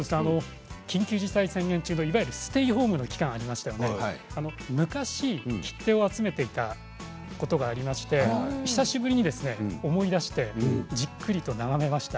緊急事態宣言中のステイホームの期間中に昔、切手を集めていたことがありまして久しぶりに思い出してじっくりと眺めました。